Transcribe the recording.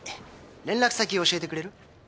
連絡先教えてくれる？